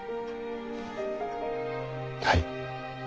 はい。